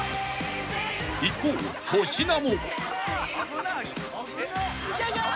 ［一方粗品も］